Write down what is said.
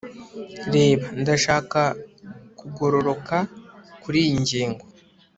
reba, ndashaka kugororoka kuriyi ngingo